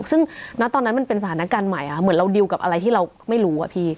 ซึ่งณตอนนั้นมันเป็นสถานการณ์ใหม่เหมือนเราดิวกับอะไรที่เราไม่รู้อะพี่